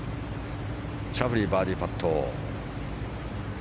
シャフリー、バーディーパット。